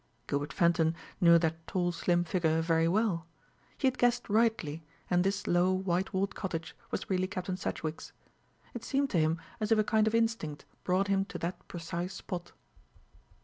Gilbert Fenton knew that tall slim figure very well. He had guessed rightly, and this low white walled cottage was really Captain Sedgewick's. It seemed to him as if a kind of instinct brought him to that precise spot.